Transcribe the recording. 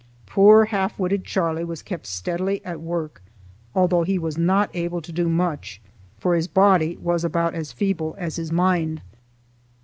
Poor half witted Charlie was kept steadily at work,—although he was not able to do much, for his body was about as feeble as his mind.